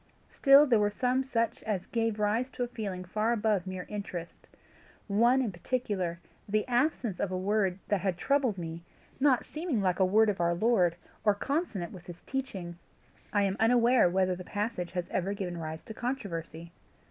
Still there were some such as gave rise to a feeling far above mere interest one in particular, the absence of a word that had troubled me, not seeming like a word of our Lord, or consonant with his teaching. I am unaware whether the passage has ever given rise to controversy."